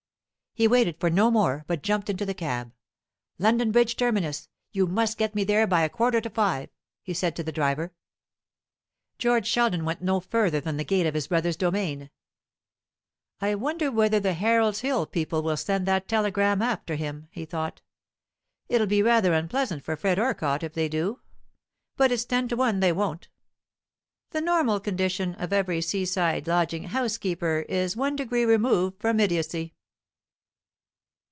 He waited for no more, but jumped into the cab. "London Bridge terminus! You must get me there by a quarter to five," he said to the driver. George Sheldon went no further than the gate of his brother's domain. "I wonder whether the Harold's Hill people will send that telegram after him," he thought. "It'll be rather unpleasant for Fred Orcott if they do. But it's ten to one they won't. The normal condition of every seaside lodging house keeper in one degree removed from idiotcy."